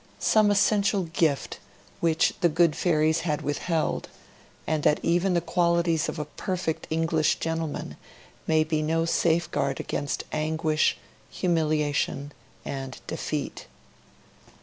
some essential gift which the good fairies had withheld, and that even the qualities of a perfect English gentleman may be no safeguard against anguish, humiliation, and defeat.